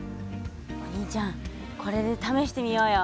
お兄ちゃんこれでためしてみようよ。